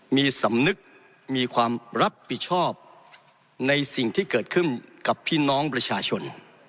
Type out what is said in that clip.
มีสำนึกมีความรับผิดชอบในสิ่งที่เกิดขึ้นกับพี่น้องประชาชน